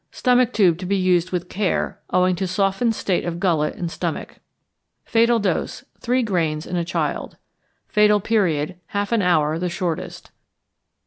Stomach tube to be used with care, owing to softened state of gullet and stomach. Fatal Dose. Three grains in a child. Fatal Period. Half an hour the shortest.